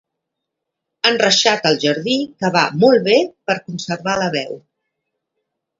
Enreixat al jardí que va molt bé per a conservar la veu.